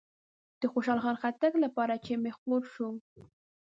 د خوشحال خټک لپاره چې می خور شو